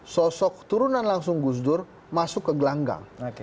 sosok turunan langsung gus dur masuk ke gelanggang